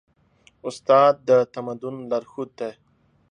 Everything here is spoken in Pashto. استاد د تمدن لارښود دی.